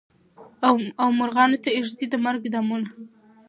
او مرغانو ته ایږدي د مرګ دامونه